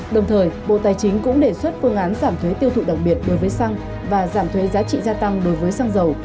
đồng thời bộ tài chính cũng đề xuất phương án giảm thuế tiêu thụ đặc biệt đối với xăng và giảm thuế giá trị gia tăng đối với xăng dầu